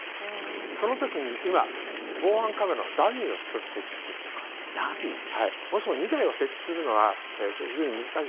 その時に今、防犯カメラのダミーを１つ設置するとかもし、２台を設置するのは非常に難しい。